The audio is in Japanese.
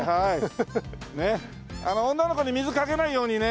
女の子に水かけないようにね。